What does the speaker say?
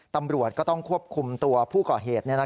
ตำรวจก็ต้องควบคุมตัวผู้ก่อเหตุ